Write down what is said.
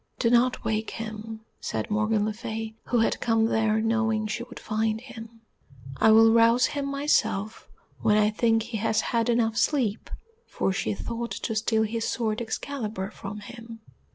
"Do not wake him," said Morgan le Fay, who had come there knowing she would find him, "I will rouse him myself when I think he has had enough sleep," for she thought to steal his sword Excalibur from him.